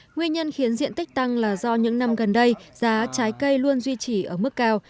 nguyên nhân khiến diện tích tăng là do những năm gần đây giá trái cây luôn duy trì ở mức cao